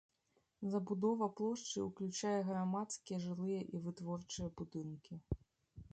Забудова плошчы ўключае грамадскія, жылыя і вытворчыя будынкі.